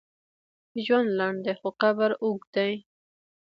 ژوند لنډ دی، خو قبر اوږد دی.